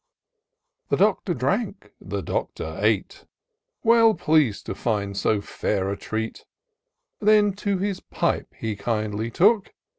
The Doctor drank — the Doctor ate. Well pleas'd to find so fair a treat ; Then to his pipe he kindly took.